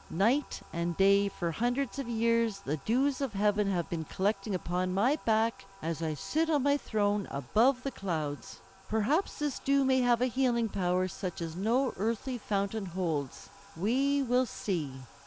Night and day for hundreds of years the dews of heaven have been collecting upon my back as I sit on my throne above the clouds. Perhaps this dew may have a healing power such as no earthly fountain holds. We will see."